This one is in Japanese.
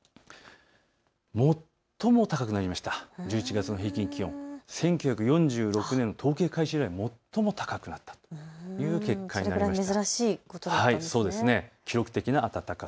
最も高くなりました１１月の平均気温、１９４６年の統計開始以来、最も高くなったという結果になりました。